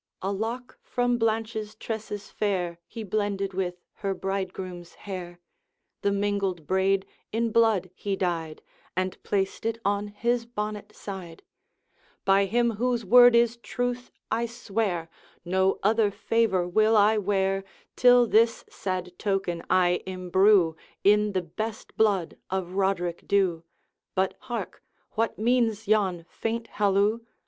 A lock from Blanche's tresses fair He blended with her bridegroom's hair; The mingled braid in blood he dyed, And placed it on his bonnet side: 'By Him whose word is truth, I swear, No other favour will I wear, Till this sad token I imbrue In the best blood of Roderick Dhu! But hark! what means yon faint halloo?